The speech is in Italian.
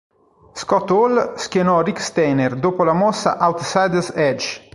Scott Hall schienò Rick Steiner dopo la mossa "Outsider's Edge".